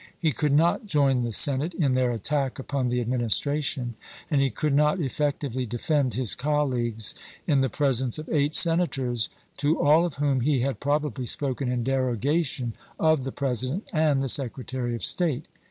He could not join the Senate in their attack upon the Adminis tration and he could not effectively defend his col leagues in the presence of eight Senators, to all of whom he had probably spoken in derogation of the President and the Secretary of State.